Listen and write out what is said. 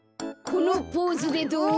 このポーズでどう？